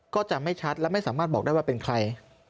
ก็จะไม่ชัดและไม่สามารถบอกได้ว่าเป็นใคร